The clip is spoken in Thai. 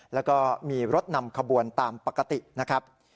แล้วก็มีรถนำขบวนตามปกตินะครับ